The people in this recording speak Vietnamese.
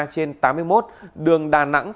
trên tám mươi một đường đà nẵng